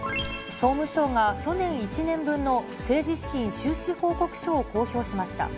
総務省が去年１年分の政治資金収支報告書を公表しました。